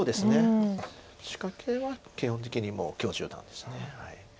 仕掛けは基本的にもう許十段です。